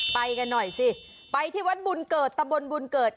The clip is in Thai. ไปกันหน่อยสิไปที่วัดบุญเกิดตำบลบุญเกิด